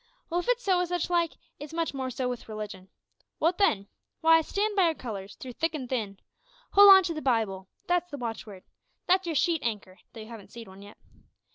Well, if it's so with such like, it's much more so with religion. Wot then? W'y, stand by your colours, through thick an' thin. Hold on to the Bible! That's the watchword. That's your sheet anchor though you haven't seed one yet.